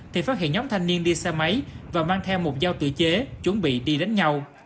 thì phát hiện nhóm thanh niên đi xe máy và mang theo một dao tự chế chuẩn bị đi đánh nhau